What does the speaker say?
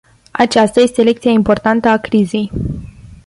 Aceasta este lecția importantă a crizei.